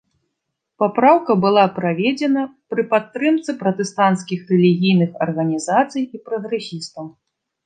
Папраўка была праведзена пры падтрымцы пратэстанцкіх рэлігійных арганізацый і прагрэсістаў.